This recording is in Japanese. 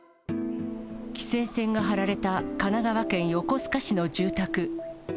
規制線が張られた神奈川県横須賀市の住宅。